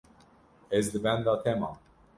Ez li benda te mam.